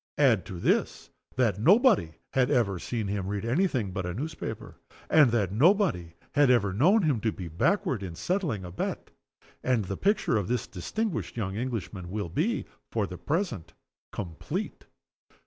Add to this, that nobody had ever seen him read any thing but a newspaper, and that nobody had ever known him to be backward in settling a bet and the picture of this distinguished young Englishman will be, for the present, complete.